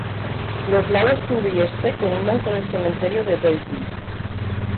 Los lados sur y este colindan con el Cementerio de Belleville.